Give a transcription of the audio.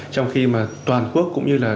trong khi mà toàn quốc cũng như là